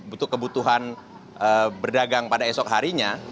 untuk kebutuhan berdagang pada esok harinya